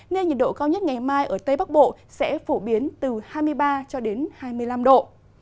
nên nhiệt độ cao nhất ngày mai ở tây bắc bộ sẽ phổ biến từ hai mươi ba cho đến hai mươi năm độ